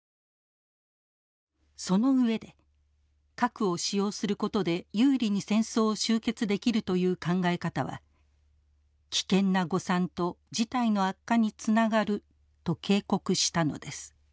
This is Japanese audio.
その上で核を使用することで有利に戦争を終結できるという考え方は危険な誤算と事態の悪化につながると警告したのです。